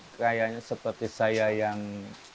kayaknya seperti saya yang